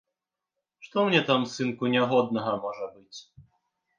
Што мне там, сынку, нягоднага можа быць?